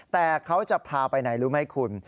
แต่เขาจะพาไปไหนรู้ไหมคุณ